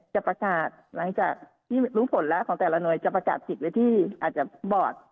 จะประกาศหลังจากที่รู้ผลแล้วของแต่ละหน่วยจะประกาศปิดไว้ที่อาจจะบอร์ด